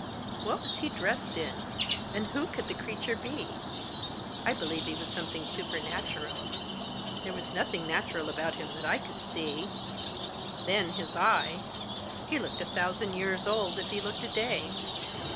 What was he dressed in ? And who could the creature be ? I believe he was something supernatural; there was nothing natural about him that I could see. Then his eye ! He looked a thousand years old if he looked a day."